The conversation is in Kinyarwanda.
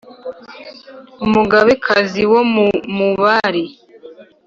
Umugabekazi wo mu Mubari.